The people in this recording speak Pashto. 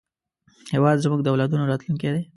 هېواد زموږ د اولادونو راتلونکی دی